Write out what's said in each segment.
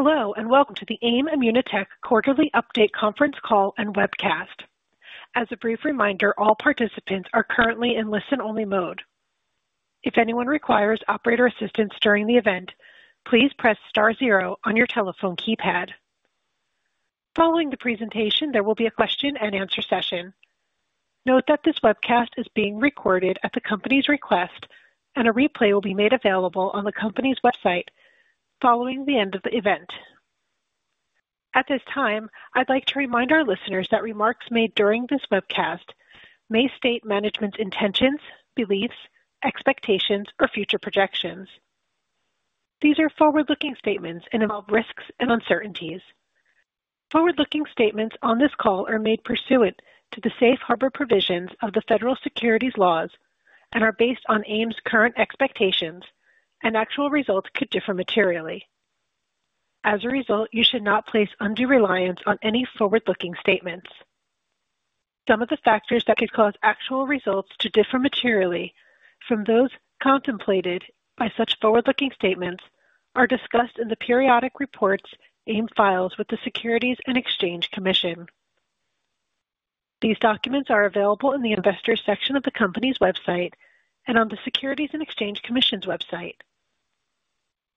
Hello, and welcome to the AIM ImmunoTech Quarterly Update Conference Call and Webcast. As a brief reminder, all participants are currently in listen-only mode. If anyone requires operator assistance during the event, please press star zero on your telephone keypad. Following the presentation, there will be a question and answer session. Note that this webcast is being recorded at the company's request, and a replay will be made available on the company's website following the end of the event. At this time, I'd like to remind our listeners that remarks made during this webcast may state management's intentions, beliefs, expectations, or future projections. These are forward-looking statements and involve risks and uncertainties. Forward-looking statements on this call are made pursuant to the safe harbor provisions of the federal securities laws and are based on AIM's current expectations, and actual results could differ materially. As a result, you should not place undue reliance on any forward-looking statements. Some of the factors that could cause actual results to differ materially from those contemplated by such forward-looking statements are discussed in the periodic reports AIM files with the Securities and Exchange Commission. These documents are available in the Investors section of the company's website and on the Securities and Exchange Commission's website.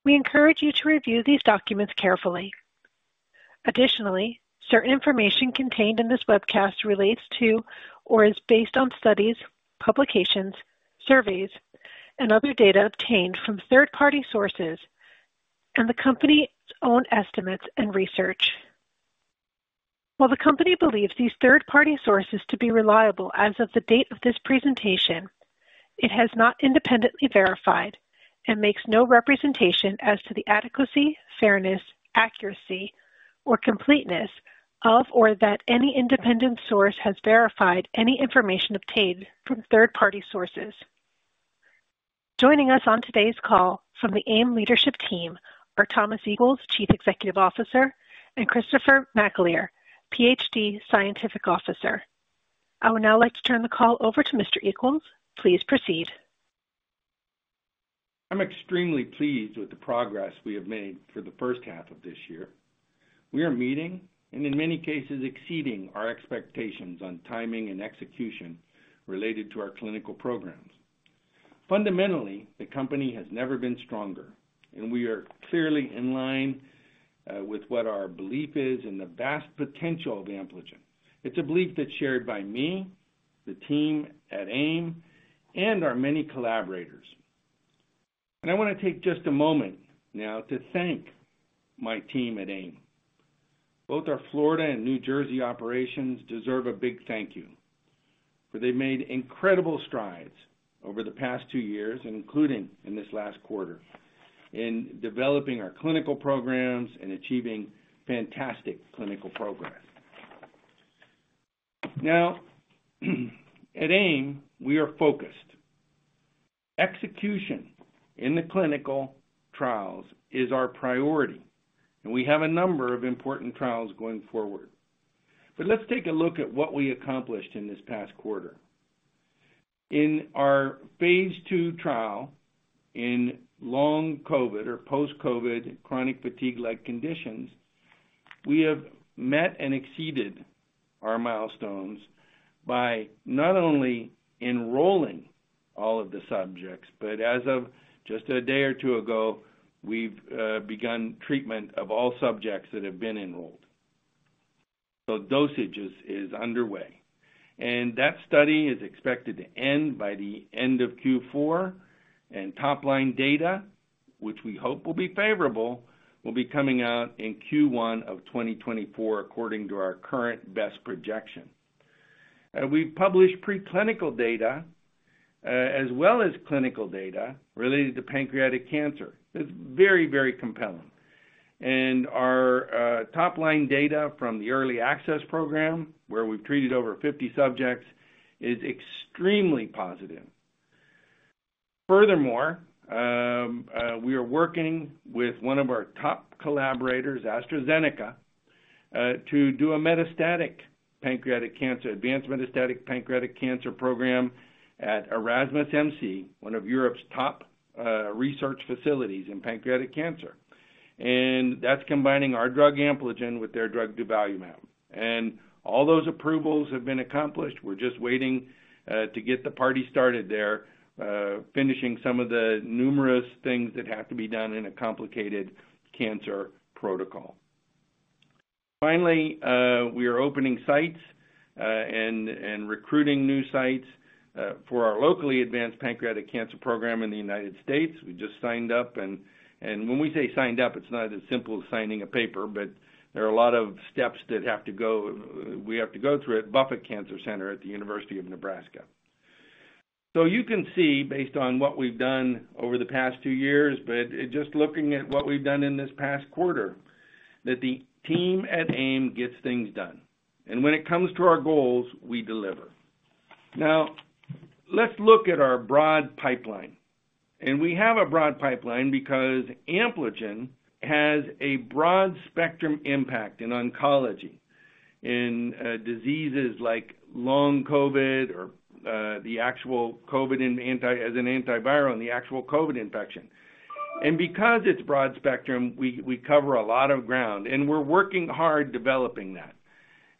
We encourage you to review these documents carefully. Additionally, certain information contained in this webcast relates to or is based on studies, publications, surveys, and other data obtained from third-party sources and the company's own estimates and research. While the company believes these third-party sources to be reliable as of the date of this presentation, it has not independently verified and makes no representation as to the adequacy, fairness, accuracy, or completeness of, or that any independent source has verified any information obtained from third-party sources. Joining us on today's call from the AIM leadership team are Thomas Equels, Chief Executive Officer, and Christopher McAleer, Ph.D., Scientific Officer. I would now like to turn the call over to Mr. Equels. Please proceed. I'm extremely pleased with the progress we have made for the first half of this year. We are meeting, and in many cases, exceeding our expectations on timing and execution related to our clinical programs. Fundamentally, the company has never been stronger, and we are clearly in line with what our belief is and the vast potential of Ampligen. It's a belief that's shared by me, the team at AIM, and our many collaborators. I wanna take just a moment now to thank my team at AIM. Both our Florida and New Jersey operations deserve a big thank you, for they've made incredible strides over the past two years, including in this last quarter, in developing our clinical programs and achieving fantastic clinical progress. At AIM, we are focused. Execution in the clinical trials is our priority, and we have a number of important trials going forward. Let's take a look at what we accomplished in this past quarter. In our Phase II trial in long COVID or post-COVID chronic fatigue-like conditions, we have met and exceeded our milestones by not only enrolling all of the subjects, but as of just a day or two ago, we've begun treatment of all subjects that have been enrolled. Dosages is underway, and that study is expected to end by the end of Q4, and top-line data, which we hope will be favorable, will be coming out in Q1 of 2024, according to our current best projection. We've published preclinical data as well as clinical data related to pancreatic cancer. It's very, very compelling. Our top-line data from the early access program, where we've treated over 50 subjects, is extremely positive. Furthermore, we are working with one of our top collaborators, AstraZeneca, to do a metastatic pancreatic cancer, advanced metastatic pancreatic cancer program at Erasmus MC, one of Europe's top research facilities in pancreatic cancer. That's combining our drug Ampligen with their drug durvalumab. All those approvals have been accomplished. We're just waiting to get the party started there, finishing some of the numerous things that have to be done in a complicated cancer protocol. Finally, we are opening sites and recruiting new sites for our locally advanced pancreatic cancer program in the United States. We just signed up and when we say signed up, it's not as simple as signing a paper, but there are a lot of steps that have to go through at Buffett Cancer Center at the University of Nebraska. You can see, based on what we've done over the past two years, but just looking at what we've done in this past quarter, that the team at AIM gets things done. When it comes to our goals, we deliver. Now, let's look at our broad pipeline. We have a broad pipeline because Ampligen has a broad spectrum impact in oncology... in diseases like Long COVID or the actual COVID in anti- as an antiviral and the actual COVID infection. Because it's broad spectrum, we, we cover a lot of ground, and we're working hard developing that.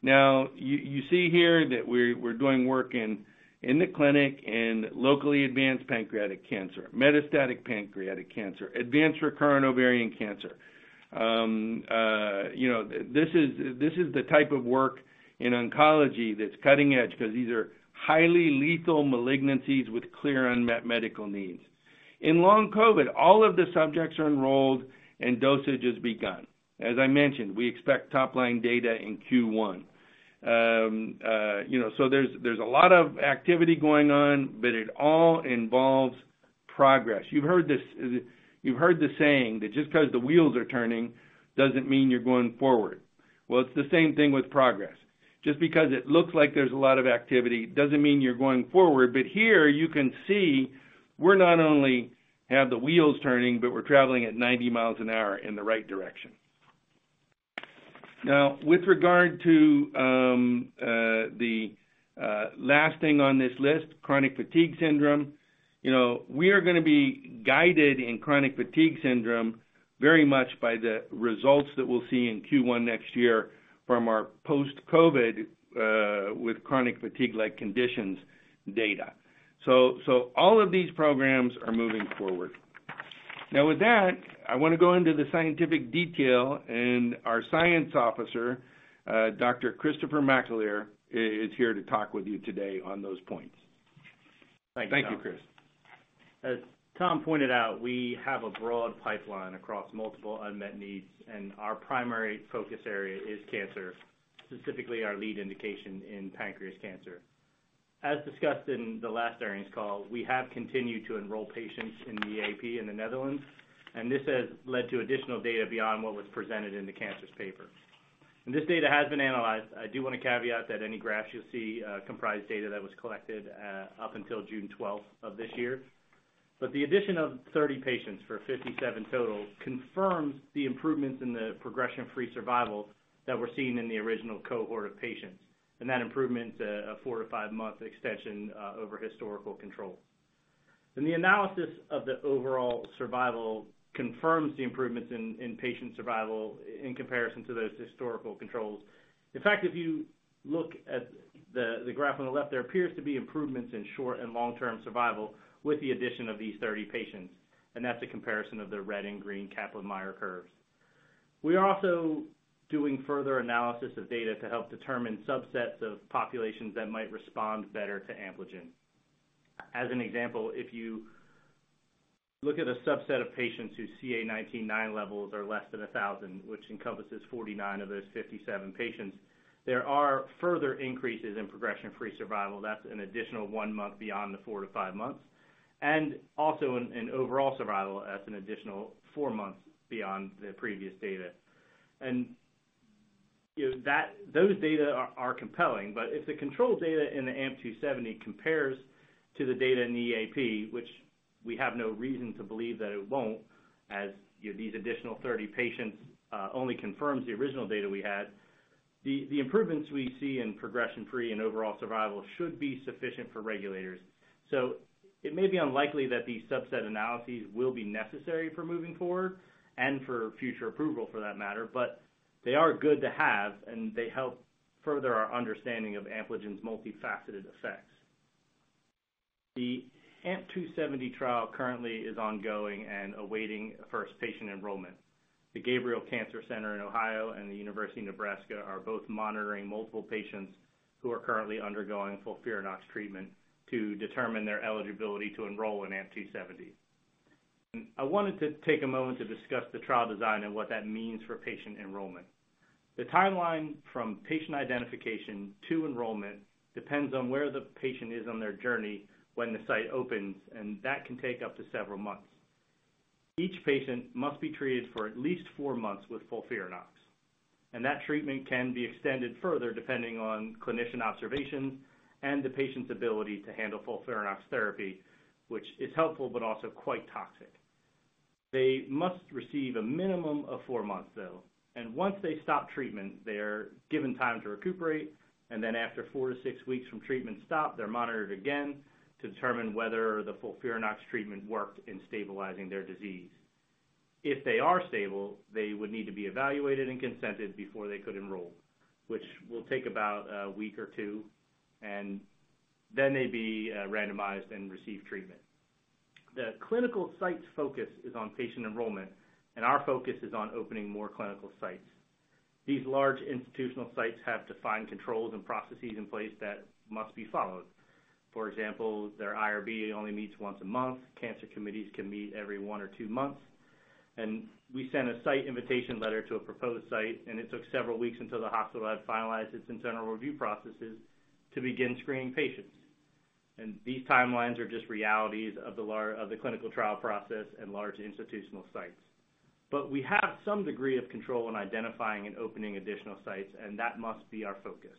Now, you, you see here that we're, we're doing work in, in the clinic, in locally advanced pancreatic cancer, metastatic pancreatic cancer, advanced recurrent ovarian cancer. You know, this is, this is the type of work in oncology that's cutting edge because these are highly lethal malignancies with clear unmet medical needs. In long COVID, all of the subjects are enrolled and dosage has begun. As I mentioned, we expect top line data in Q1. You know, there's, there's a lot of activity going on, but it all involves progress. You've heard this, you've heard the saying that just 'cause the wheels are turning, doesn't mean you're going forward. Well, it's the same thing with progress. Just because it looks like there's a lot of activity, doesn't mean you're going forward. Here you can see, we not only have the wheels turning, but we're traveling at 90 miles an hour in the right direction. Now, with regard to the last thing on this list, chronic fatigue syndrome, you know, we are gonna be guided in chronic fatigue syndrome very much by the results that we'll see in Q1 next year from our post-COVID with chronic fatigue-like conditions data. All of these programs are moving forward. Now, with that, I wanna go into the scientific detail, and our science officer, Dr. Christopher McAleer, is here to talk with you today on those points. Thank you, Tom. Thank you, Chris. As Tom pointed out, we have a broad pipeline across multiple unmet needs, and our primary focus area is cancer, specifically our lead indication in pancreas cancer. As discussed in the last earnings call, we have continued to enroll patients in the EAP in the Netherlands, this has led to additional data beyond what was presented in the Cancers paper. This data has been analyzed. I do want to caveat that any graphs you'll see, comprise data that was collected up until June 12th of this year. The addition of 30 patients for 57 total, confirms the improvements in the progression-free survival that were seen in the original cohort of patients, and that improvement a 4-5 month extension over historical control. The analysis of the overall survival confirms the improvements in patient survival in comparison to those historical controls. In fact, if you look at the graph on the left, there appears to be improvements in short and long-term survival with the addition of these 30 patients. That's a comparison of the red and green Kaplan-Meier curves. We are also doing further analysis of data to help determine subsets of populations that might respond better to Ampligen. As an example, if you look at a subset of patients whose CA 19-9 levels are less than 1,000, which encompasses 49 of those 57 patients, there are further increases in progression-free survival. That's an additional one month beyond the four to five months, also in overall survival, that's an additional four months beyond the previous data. You know, that. Those data are, are compelling, if the control data in the AMP-270 compares to the data in the EAP, which we have no reason to believe that it won't, as, you know, these additional 30 patients only confirms the original data we had, the improvements we see in progression-free and overall survival should be sufficient for regulators. It may be unlikely that these subset analyses will be necessary for moving forward and for future approval for that matter, but they are good to have, and they help further our understanding of Ampligen's multifaceted effects. The AMP-270 trial currently is ongoing and awaiting first patient enrollment. The Gabrail Cancer Center in Ohio and the University of Nebraska are both monitoring multiple patients who are currently undergoing FOLFIRINOX treatment to determine their eligibility to enroll in AMP-270. I wanted to take a moment to discuss the trial design and what that means for patient enrollment. The timeline from patient identification to enrollment depends on where the patient is on their journey when the site opens, and that can take up to several months. Each patient must be treated for at least four months with FOLFIRINOX, and that treatment can be extended further depending on clinician observation and the patient's ability to handle FOLFIRINOX therapy, which is helpful but also quite toxic. They must receive a minimum of four months, though, and once they stop treatment, they're given time to recuperate, and then after four to six weeks from treatment stop, they're monitored again to determine whether the FOLFIRINOX treatment worked in stabilizing their disease. If they are stable, they would need to be evaluated and consented before they could enroll, which will take about a week or two, and then they'd be randomized and receive treatment. The clinical site's focus is on patient enrollment, and our focus is on opening more clinical sites. These large institutional sites have defined controls and processes in place that must be followed. For example, their IRB only meets once a month. Cancer committees can meet every one or two months. We sent a site invitation letter to a proposed site, and it took several weeks until the hospital had finalized its internal review processes to begin screening patients. These timelines are just realities of the clinical trial process and large institutional sites. We have some degree of control in identifying and opening additional sites, and that must be our focus.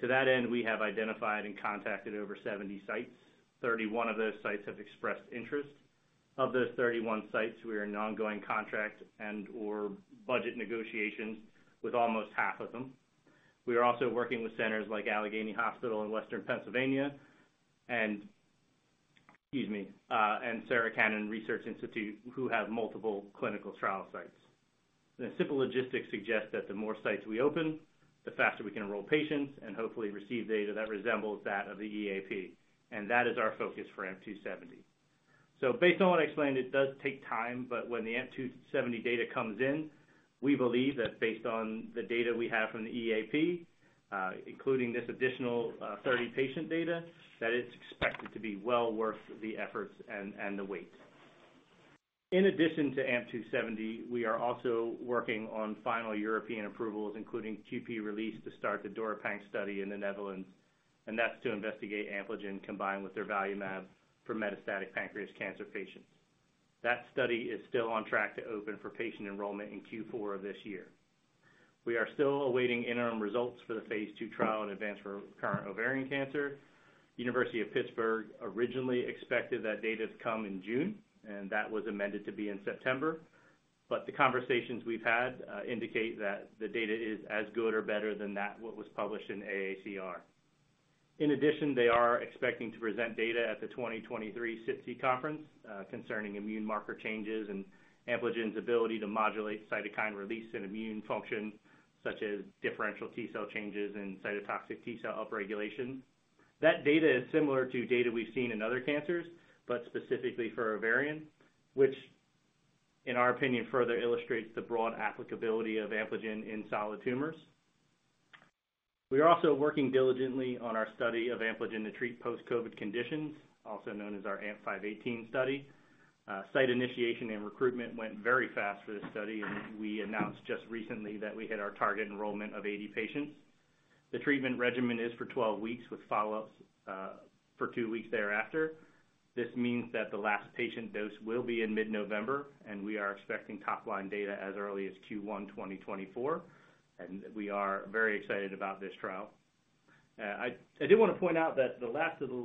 To that end, we have identified and contacted over 70 sites. 31 of those sites have expressed interest. Of those 31 sites, we are in ongoing contract and or budget negotiations with almost half of them. We are also working with centers like Allegheny General Hospital in Western Pennsylvania, and, excuse me, and Sarah Cannon Research Institute, who have multiple clinical trial sites. The simple logistics suggest that the more sites we open, the faster we can enroll patients and hopefully receive data that resembles that of the EAP, and that is our focus for AMP-270. Based on what I explained, it does take time, but when the AMP-270 data comes in, we believe that based on the data we have from the EAP, including this additional 30-patient data, that it's expected to be well worth the efforts and the wait. In addition to AMP-270, we are also working on final European approvals, including QP release, to start the DURIPANC study in the Netherlands, that's to investigate Ampligen, combined with their valumab for metastatic pancreatic cancer patients. That study is still on track to open for patient enrollment in Q4 of this year. We are still awaiting interim results for the Phase II trial in advanced or recurrent ovarian cancer. University of Pittsburgh originally expected that data to come in June, that was amended to be in September. The conversations we've had indicate that the data is as good or better than that, what was published in AACR. In addition, they are expecting to present data at the 2023 SITC conference concerning immune marker changes and Ampligen's ability to modulate cytokine release and immune function, such as differential T cell changes and cytotoxic T cell upregulation. That data is similar to data we've seen in other cancers, but specifically for ovarian, which in our opinion, further illustrates the broad applicability of Ampligen in solid tumors. We are also working diligently on our study of Ampligen to treat post-COVID conditions, also known as our AMP-518 study. Site initiation and recruitment went very fast for this study, and we announced just recently that we hit our target enrollment of 80 patients. The treatment regimen is for 12 weeks, with follow-ups for two weeks thereafter. This means that the last patient dose will be in mid-November, and we are expecting top line data as early as Q1 2024, and we are very excited about this trial. I, I do want to point out that the last of the...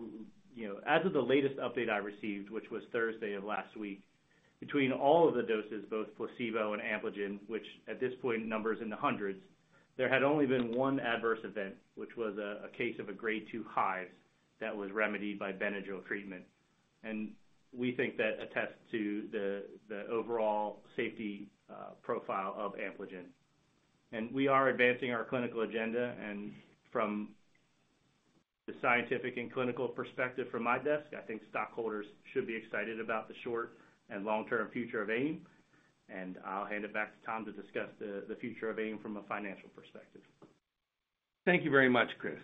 You know, as of the latest update I received, which was Thursday of last week, between all of the doses, both placebo and Ampligen, which at this point numbers in the hundreds, there had only been one adverse event, which was a, a case of a Grade 2 hives that was remedied by Benadryl treatment. We think that attests to the, the overall safety profile of Ampligen. We are advancing our clinical agenda, and from the scientific and clinical perspective from my desk, I think stockholders should be excited about the short- and long-term future of AIM. I'll hand it back to Tom to discuss the, the future of AIM from a financial perspective. Thank you very much, Chris.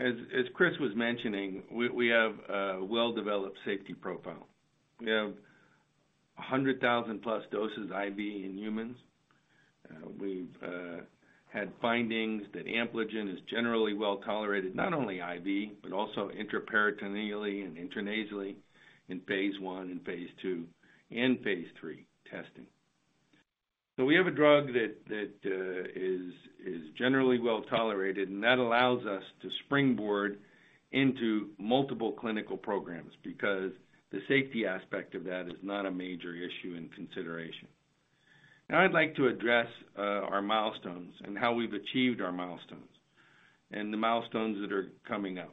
As Chris was mentioning, we have a well-developed safety profile. We have 100,000-plus doses IV in humans. We've had findings that Ampligen is generally well tolerated, not only IV, but also intraperitoneally and intranasally in Phase I and Phase II and Phase III testing. We have a drug that is generally well tolerated, and that allows us to springboard into multiple clinical programs because the safety aspect of that is not a major issue and consideration. Now, I'd like to address our milestones and how we've achieved our milestones and the milestones that are coming up.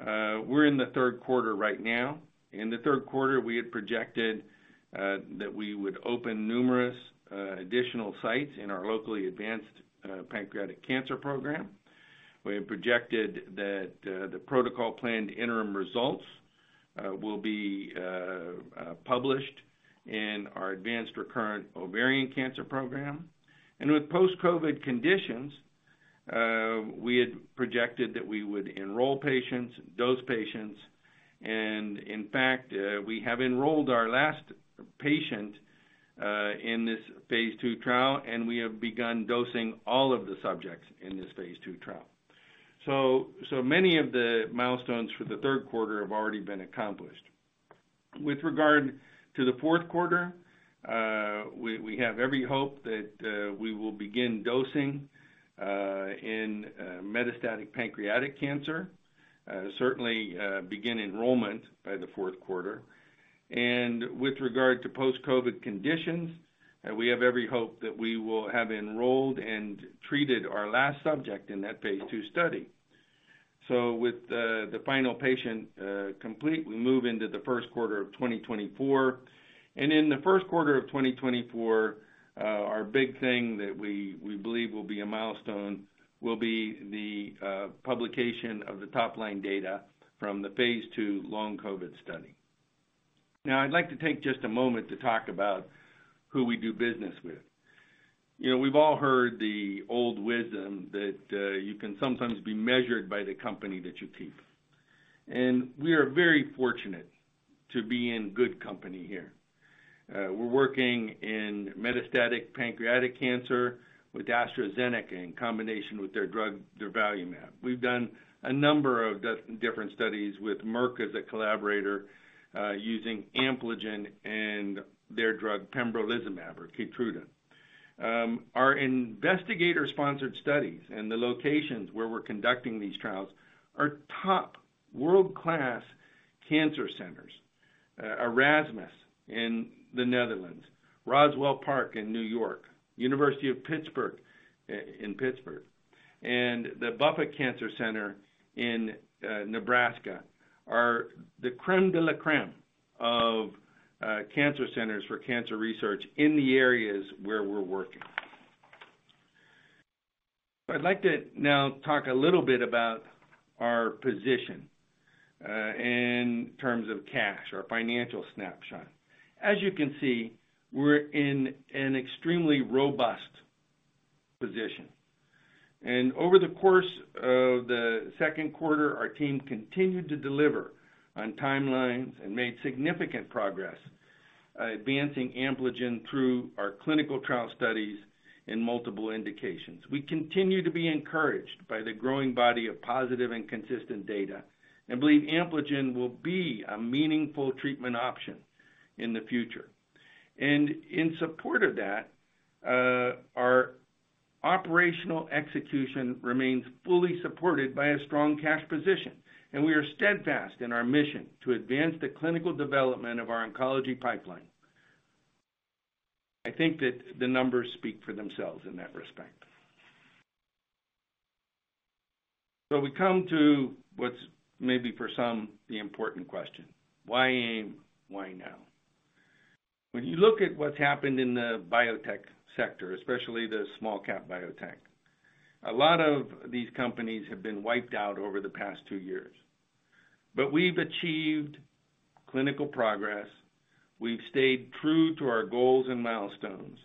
We're in the third quarter right now. In the third quarter, we had projected that we would open numerous additional sites in our locally advanced pancreatic cancer program. We had projected that the protocol planned interim results will be published in our advanced recurrent ovarian cancer program. With post-COVID conditions, we had projected that we would enroll patients, dose patients, and in fact, we have enrolled our last patient in this Phase II trial, and we have begun dosing all of the subjects in this Phase II trial. Many of the milestones for the third quarter have already been accomplished. With regard to the fourth quarter, we have every hope that we will begin dosing in metastatic pancreatic cancer, certainly begin enrollment by the fourth quarter. With regard to post-COVID conditions, we have every hope that we will have enrolled and treated our last subject in that Phase II study. With the, the final patient complete, we move into the first quarter of 2024. In the first quarter of 2024, our big thing that we, we believe will be a milestone will be the publication of the top-line data from the Phase II Long COVID study. I'd like to take just a moment to talk about who we do business with. You know, we've all heard the old wisdom that you can sometimes be measured by the company that you keep, and we are very fortunate to be in good company here. We're working in metastatic pancreatic cancer with AstraZeneca in combination with their drug, durvalumab. We've done a number of different studies with Merck as a collaborator, using Ampligen and their drug pembrolizumab or Keytruda. Our investigator-sponsored studies and the locations where we're conducting these trials are top world-class cancer centers. Erasmus in the Netherlands, Roswell Park in New York, University of Pittsburgh in Pittsburgh, and the Buffett Cancer Center in Nebraska, are the crème de la crème of cancer centers for cancer research in the areas where we're working. I'd like to now talk a little bit about our position in terms of cash or financial snapshot. As you can see, we're in an extremely robust position. Over the course of the second quarter, our team continued to deliver on timelines and made significant progress advancing Ampligen through our clinical trial studies in multiple indications. We continue to be encouraged by the growing body of positive and consistent data, and believe Ampligen will be a meaningful treatment option in the future. In support of that, our operational execution remains fully supported by a strong cash position, and we are steadfast in our mission to advance the clinical development of our oncology pipeline. I think that the numbers speak for themselves in that respect. We come to what's maybe for some, the important question: Why AIM? Why now? When you look at what's happened in the biotech sector, especially the small cap biotech, a lot of these companies have been wiped out over the past two years. We've achieved clinical progress, we've stayed true to our goals and milestones,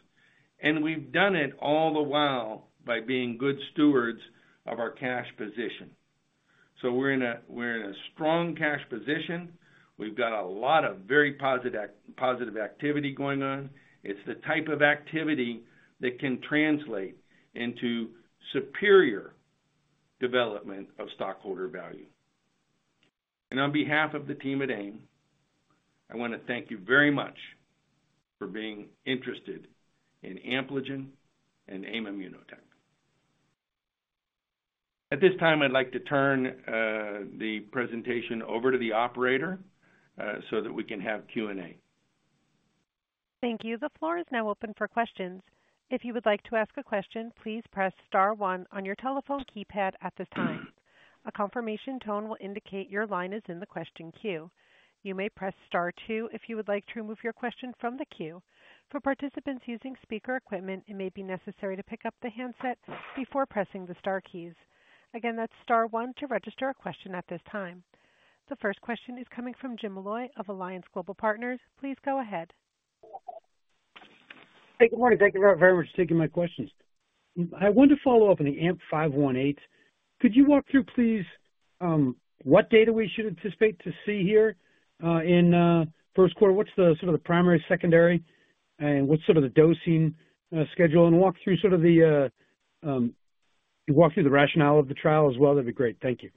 and we've done it all the while by being good stewards of our cash position. We're in a, we're in a strong cash position. We've got a lot of very positive positive activity going on. It's the type of activity that can translate into superior development of stockholder value. On behalf of the team at AIM, I wanna thank you very much for being interested in Ampligen and AIM ImmunoTech. At this time, I'd like to turn the presentation over to the operator, so that we can have Q&A. Thank you. The floor is now open for questions. If you would like to ask a question, please press star one on your telephone keypad at this time. A confirmation tone will indicate your line is in the question queue. You may press Star two if you would like to remove your question from the queue. For participants using speaker equipment, it may be necessary to pick up the handset before pressing the star keys. Again, that's star 1 to register a question at this time. The first question is coming from Jim Molloy of Alliance Global Partners. Please go ahead. Hey, good morning. Thank you very, very much for taking my questions. I want to follow up on the AMP-518. Could you walk through, please, what data we should anticipate to see here in first quarter? What's the sort of the primary, secondary, and what's sort of the dosing schedule? Walk through sort of the rationale of the trial as well. That'd be great. Thank you.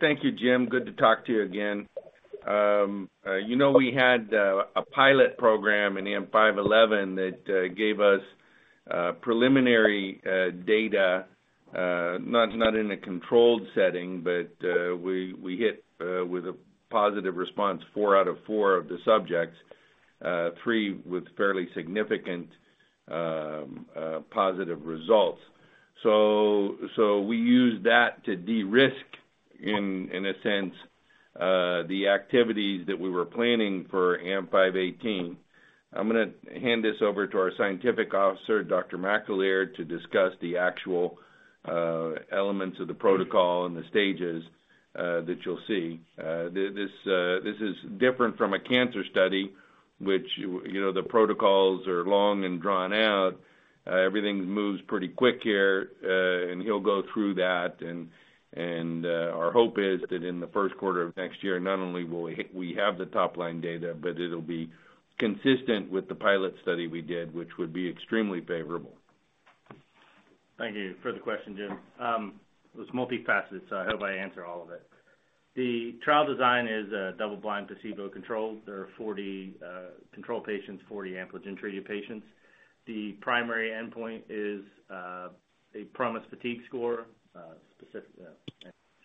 Thank you, Jim. Good to talk to you again. You know, we had a pilot program in AMP 511 that gave us preliminary data, not in a controlled setting, but we hit with a positive response, four out of four of the subjects, three with fairly significant positive results. We used that to de-risk, in a sense, the activities that we were planning for AMP 518. I'm gonna hand this over to our Scientific Officer, Dr. McAleer, to discuss the actual elements of the protocol and the stages that you'll see. This, this is different from a cancer study, which, you know, the protocols are long and drawn out. Everything moves pretty quick here, he'll go through that. Our hope is that in the first quarter of next year, not only will we have the top-line data, but it'll be consistent with the pilot study we did, which would be extremely favorable. Thank you for the question, Jim. It was multifaceted, so I hope I answer all of it. The trial design is a double-blind, placebo-controlled. There are 40 control patients, 40 Ampligen treated patients. The primary endpoint is a PROMIS fatigue score, specific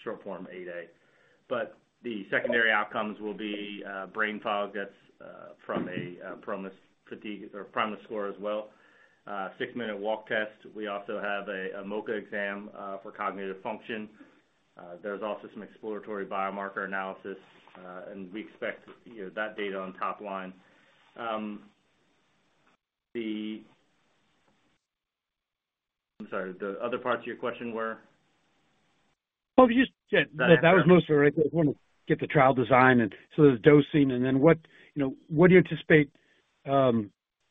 Short Form 8a. The secondary outcomes will be brain fog. That's from a PROMIS fatigue or PROMIS score as well. Six-Minute Walk Test. We also have a MoCA exam for cognitive function. There's also some exploratory biomarker analysis, and we expect, you know, that data on top line. I'm sorry, the other parts of your question were? You just... that was mostly right. I just wanna get the trial design and so the dosing and then what, you know, what do you anticipate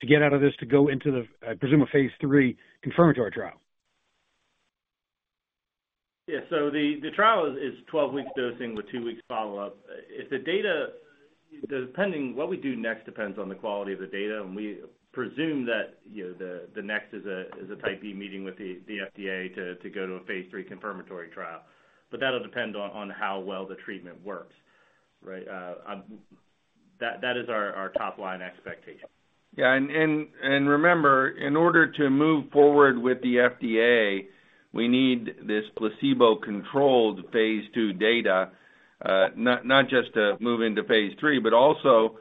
to get out of this to go into the, I presume, a Phase III confirmatory trial? Yeah. The, the trial is 12 weeks dosing with two weeks follow-up. If the data, what we do next depends on the quality of the data, and we presume that, you know, the, the next is a, is a type B meeting with the, the FDA to, to go to a Phase III confirmatory trial. That'll depend on, on how well the treatment works. Right, that, that is our, our top line expectation. Remember, in order to move forward with the FDA, we need this placebo-controlled Phase II data, not just to move into Phase III, but also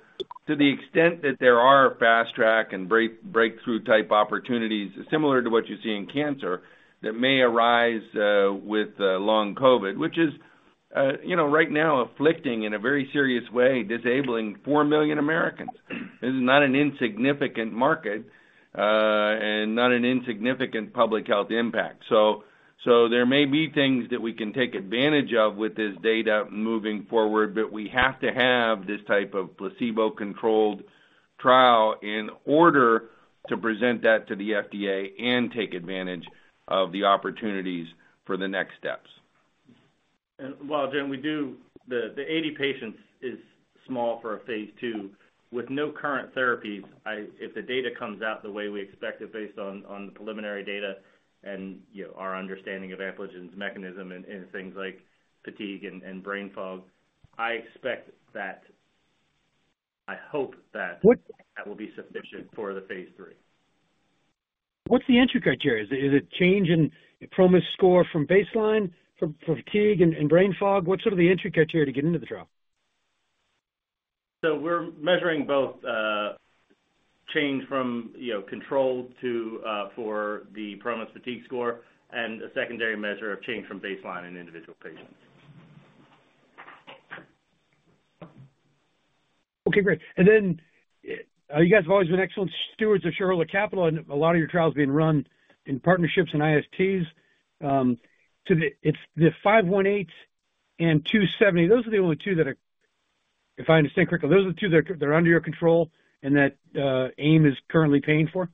to the extent that there are Fast Track and Breakthrough type opportunities, similar to what you see in cancer, that may arise with Long COVID, which is, you know, right now afflicting in a very serious way, disabling 4 million Americans. This is not an insignificant market, and not an insignificant public health impact. There may be things that we can take advantage of with this data moving forward, but we have to have this type of placebo-controlled trial in order to present that to the FDA and take advantage of the opportunities for the next steps. Well, Jim, the 80 patients is small for a Phase II. With no current therapies, if the data comes out the way we expect it, based on the preliminary data and, you know, our understanding of Ampligen's mechanism in things like fatigue and brain fog, I expect that. I hope that that will be sufficient for the Phase III. What's the entry criteria? Is it change in PROMIS score from baseline for fatigue and brain fog? What's sort of the entry criteria to get into the trial? We're measuring both, change from, you know, control to, for the PROMIS fatigue score and a secondary measure of change from baseline in individual patients. Okay, great. You guys have always been excellent stewards of shareholder capital, and a lot of your trials are being run in partnerships and ISTs. It's the 518 and 270, those are the only two that are, if I understand correctly, those are the two that are, that are under your control and that AIM is currently paying for?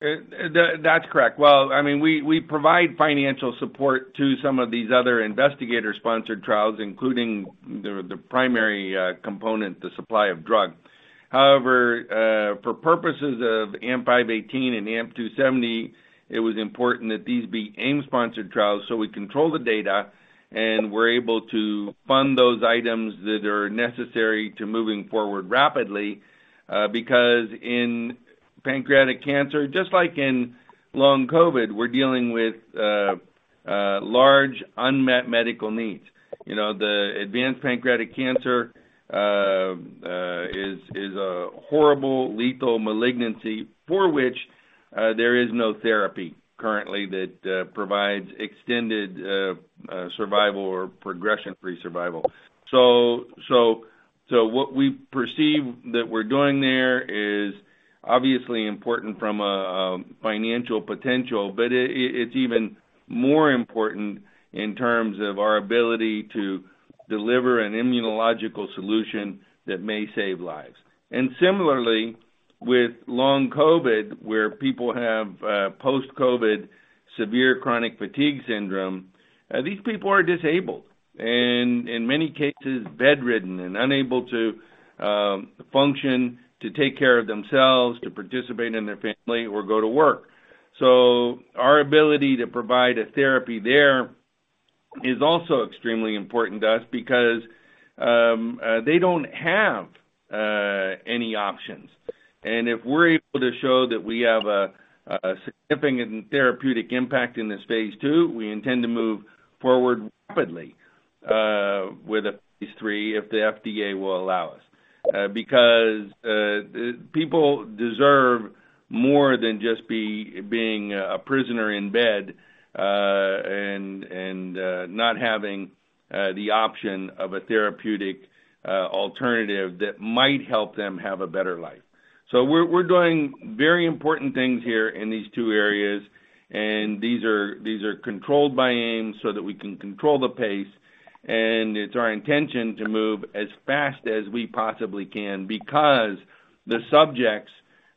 That's correct. Well, I mean, we, we provide financial support to some of these other investigator-sponsored trials, including the primary component, the supply of drug. However, for purposes of AMP-518 and AMP-270, it was important that these be AIM-sponsored trials, so we control the data, and we're able to fund those items that are necessary to moving forward rapidly. Because in pancreatic cancer, just like in Long COVID, we're dealing with large unmet medical needs. You know, the advanced pancreatic cancer is a horrible, lethal malignancy for which there is no therapy currently that provides extended survival or progression-free survival. What we perceive that we're doing there is obviously important from a financial potential, but it, it, it's even more important in terms of our ability to deliver an immunological solution that may save lives. Similarly, with long COVID, where people have post-COVID severe chronic fatigue syndrome, these people are disabled and, in many cases, bedridden and unable to function, to take care of themselves, to participate in their family or go to work. Our ability to provide a therapy there is also extremely important to us because they don't have any options. If we're able to show that we have a significant therapeutic impact in this Phase II, we intend to move forward rapidly with a Phase II, if the FDA will allow us. Because people deserve more than just being a prisoner in bed, and not having the option of a therapeutic alternative that might help them have a better life. We're doing very important things here in these two areas, and these are controlled by AIM so that we can control the pace, and it's our intention to move as fast as we possibly can, because the subjects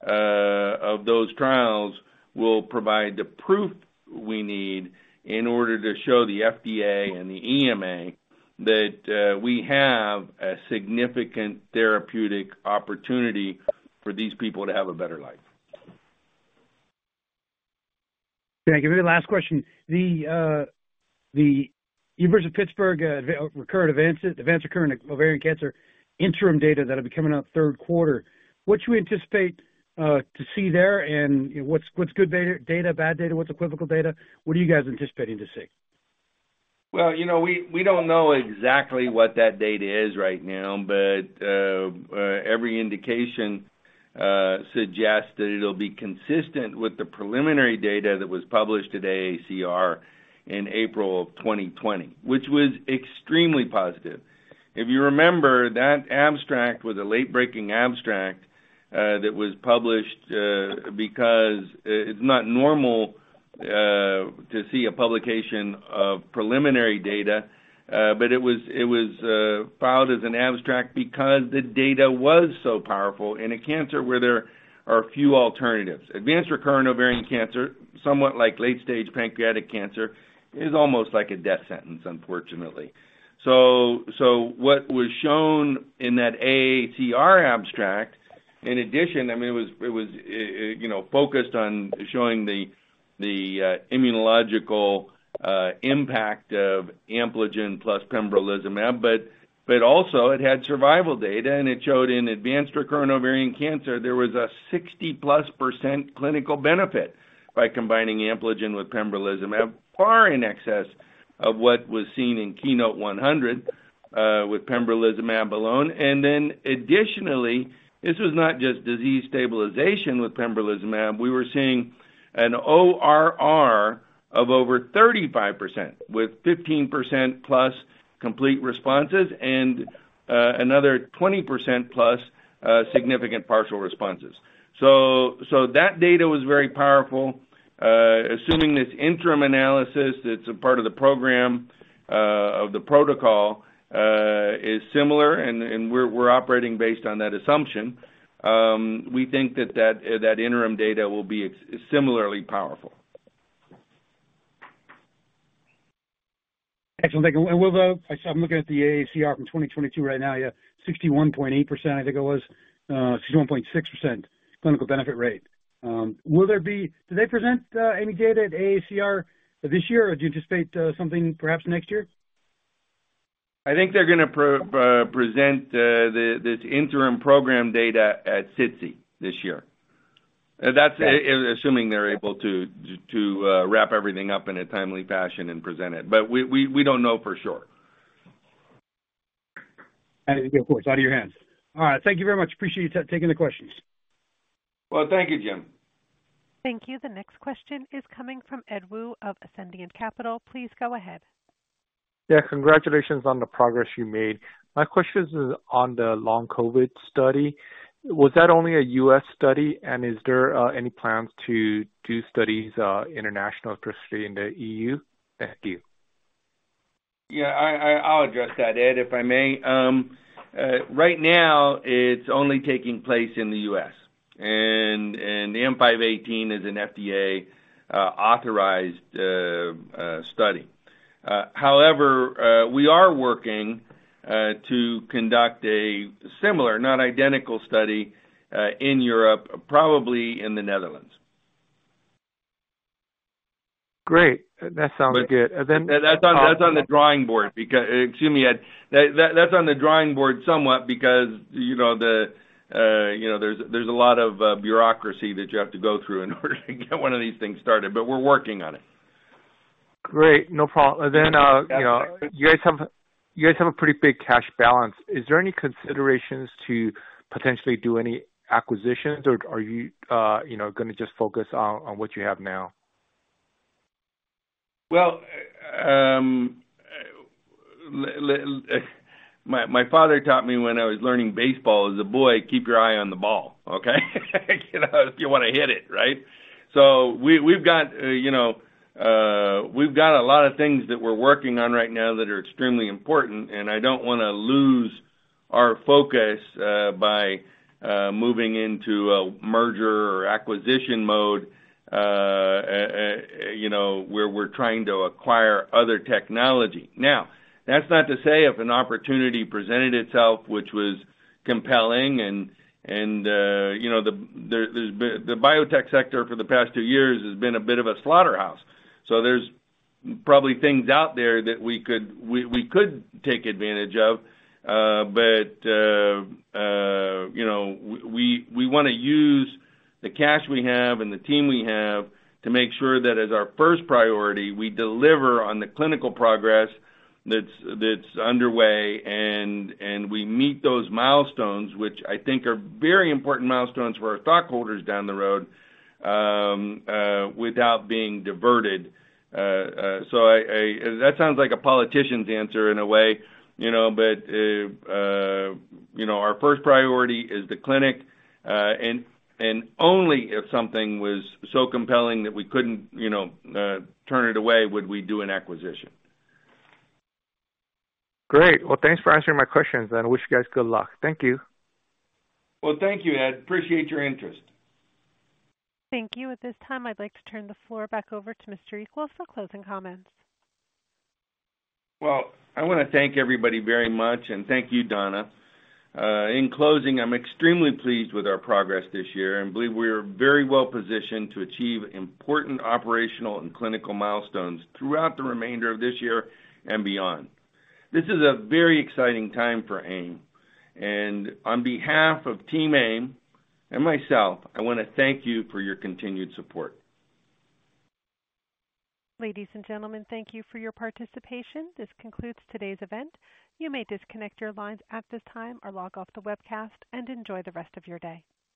of those trials will provide the proof we need in order to show the FDA and the EMA that we have a significant therapeutic opportunity for these people to have a better life. Can I give you the last question? The University of Pittsburgh recurrent advanced recurrent ovarian cancer interim data that will be coming out third quarter. What do you anticipate to see there? What's good data, bad data, what's equivocal data? What are you guys anticipating to see? Well, you know, we, we don't know exactly what that data is right now, but every indication suggests that it'll be consistent with the preliminary data that was published at AACR in April of 2020, which was extremely positive. If you remember, that abstract was a late-breaking abstract that was published because it's not normal to see a publication of preliminary data, but it was, it was filed as an abstract because the data was so powerful in a cancer where there are few alternatives. Advanced recurrent ovarian cancer, somewhat like late-stage pancreatic cancer, is almost like a death sentence, unfortunately. So what was shown in that AACR abstract-...In addition, I mean, it was, it was, you know, focused on showing the immunological impact of Ampligen plus pembrolizumab. Also it had survival data. It showed in advanced recurrent ovarian cancer, there was a 60%+ clinical benefit by combining Ampligen with pembrolizumab, far in excess of what was seen in KEYNOTE-100 with pembrolizumab alone. Additionally, this was not just disease stabilization with pembrolizumab. We were seeing an ORR of over 35%, with 15%+ complete responses and another 20%+ significant partial responses. That data was very powerful. Assuming this interim analysis, that's a part of the program of the protocol, is similar, we're operating based on that assumption, we think that interim data will be similarly powerful. Excellent, thank you. I'm looking at the AACR from 2022 right now, you have 61.8%, I think it was, 61.6% clinical benefit rate. Do they present any data at AACR this year, or do you anticipate something perhaps next year? I think they're gonna present the, this interim program data at SITC this year. That's assuming they're able to, to wrap everything up in a timely fashion and present it, but we, we, we don't know for sure. Of course, out of your hands. All right. Thank you very much. Appreciate you taking the questions. Well, thank you, Jim. Thank you. The next question is coming from Edward Woo of Ascendiant Capital Please go ahead. Yeah, congratulations on the progress you made. My question is on the Long COVID study. Was that only a US study, and is there any plans to do studies international, particularly in the EU? Thank you. Yeah, I, I, I'll address that, Ed, if I may. Right now, it's only taking place in the US, and, and the AMP-518 is an FDA authorized study. However, we are working to conduct a similar, not identical study, in Europe, probably in the Netherlands. Great. That sounds good. And then- That's on, that's on the drawing board. Excuse me, Ed. That, that's on the drawing board somewhat because, you know, the, you know, there's, there's a lot of bureaucracy that you have to go through in order to get one of these things started, but we're working on it. Great. No problem. you know, you guys have, you guys have a pretty big cash balance. Is there any considerations to potentially do any acquisitions, or are you, you know, gonna just focus on, on what you have now? Well, my, my father taught me when I was learning baseball as a boy, "Keep your eye on the ball," okay? You know, if you wanna hit it, right? We, we've got, you know, we've got a lot of things that we're working on right now that are extremely important, and I don't wanna lose our focus by moving into a merger or acquisition mode, you know, where we're trying to acquire other technology. Now, that's not to say if an opportunity presented itself, which was compelling and, you know, there's, the biotech sector for the past two years has been a bit of a slaughterhouse. There's probably things out there that we could, we, we could take advantage of. You know, we, we wanna use the cash we have and the team we have to make sure that as our first priority, we deliver on the clinical progress that's, that's underway, and, and we meet those milestones, which I think are very important milestones for our stockholders down the road, without being diverted. That sounds like a politician's answer in a way, you know, but, you know, our first priority is the clinic, and, and only if something was so compelling that we couldn't, you know, turn it away, would we do an acquisition. Great. Well, thanks for answering my questions, and I wish you guys good luck. Thank you. Well, thank you, Ed. Appreciate your interest. Thank you. At this time, I'd like to turn the floor back over to Mr. Equals for closing comments. Well, I wanna thank everybody very much, and thank you, Donna. In closing, I'm extremely pleased with our progress this year and believe we are very well positioned to achieve important operational and clinical milestones throughout the remainder of this year and beyond. This is a very exciting time for AIM, and on behalf of Team AIM and myself, I wanna thank you for your continued support. Ladies and gentlemen, thank you for your participation. This concludes today's event. You may disconnect your lines at this time or log off the webcast and enjoy the rest of your day.